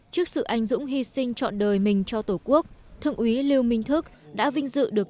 trước sự anh dũng hy sinh chọn đời mình cho tổ quốc thượng úy lưu minh thức đã vinh dự được